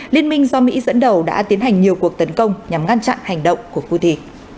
liên minh do mỹ dẫn đầu đã tiến hành nhiều cuộc tấn công nhằm ngăn chặn hành động của houthi